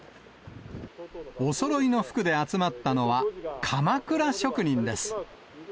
おそろいの服で集まったのは、かまくら職人です。